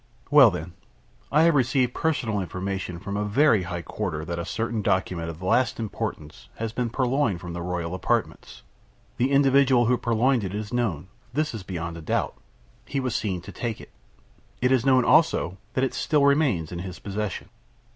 "Well, then; I have received personal information, from a very high quarter, that a certain document of the last importance has been purloined from the royal apartments. The individual who purloined it is known; this beyond a doubt; he was seen to take it. It is known, also, that it still remains in his possession."